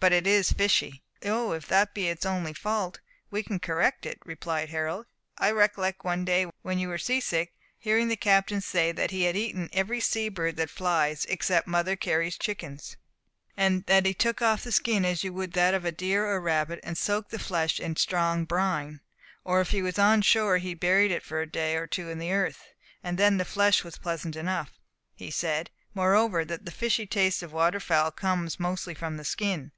But it is fishy." "O, if that be its only fault we can correct it," replied Harold. "I recollect one day when you were sea sick, hearing the captain say that he had eaten every sea bird that flies, except Mother Cary's chickens; and that he took off the skin as you would that of a deer or rabbit, and soaked the flesh in strong brine; or if he was on shore he buried it for a day or two in the earth, and that then the flesh was pleasant enough. He said, moreover, that the fishy taste of water fowl comes mostly from the skin.